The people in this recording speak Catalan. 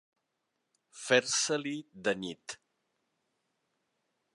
Fer-se-li de nit.